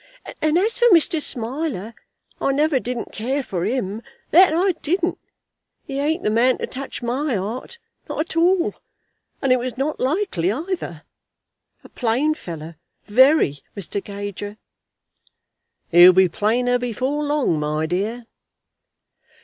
And as for Mr. Smiler, I never didn't care for him; that I didn't. He ain't the man to touch my heart, not at all; and it was not likely either. A plain fellow, very, Mr. Gager." "He'll be plainer before long, my dear."